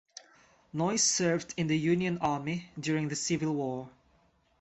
Noyes served in the Union Army during the Civil War.